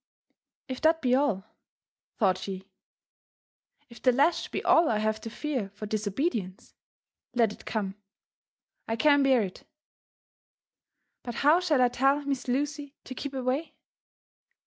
" If that be all," thought she,—" if the lash be all I have to fear for disobedience, let it come — I can bear it. But how shall I tell Miss Lucy to keep away?